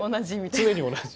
常に同じ。